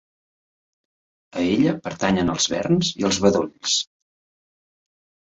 A ella pertanyen els verns i els bedolls.